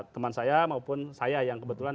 teman saya maupun saya yang kebetulan